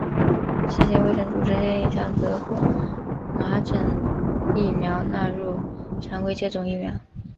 世界卫生组织建议将德国麻疹疫苗纳入常规接种疫苗。